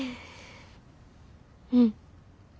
うん。